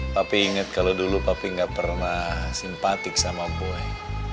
tapi ingat kalau dulu papi gak pernah simpatik sama bue